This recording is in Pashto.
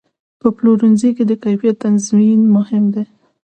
په پلورنځي کې د کیفیت تضمین مهم دی.